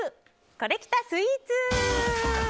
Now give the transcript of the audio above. コレきたスイーツ！